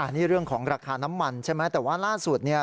นี่เรื่องของราคาน้ำมันใช่ไหมแต่ว่าล่าสุดเนี่ย